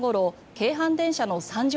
京阪電車の三条